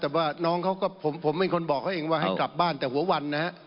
แต่ว่าน้องเขาก็ผมเป็นคนบอกเขาเองว่าให้กลับบ้านแต่หัววันนะฮะ